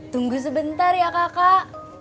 tunggu sebentar ya kakak